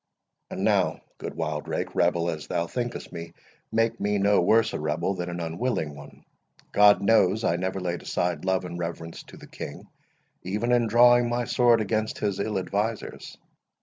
And now, good Wildrake, rebel as thou thinkest me, make me no worse a rebel than an unwilling one. God knows, I never laid aside love and reverence to the King, even in drawing my sword against his ill advisers."